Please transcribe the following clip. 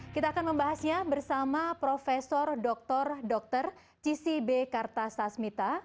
kita akan membahasnya bersama prof dr dr cissy b kartasasmita